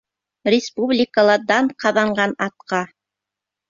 Республикала дан ҡаҙанған атҡа!